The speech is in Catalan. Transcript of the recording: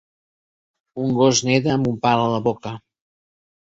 Un gos neda amb un pal a la boca